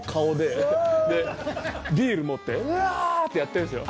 ビール持ってうわ！ってやってんですよ。